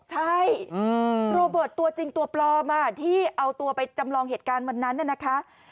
ใช่โรเบิร์ตตัวจริงตัวปลอมที่เอาตัวไปจำลองเหตุการณ์วันนั้นน่ะนะคะ